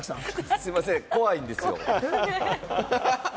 すみません、怖いんですよ。